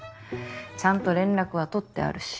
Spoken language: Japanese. ちゃんと連絡は取ってあるし。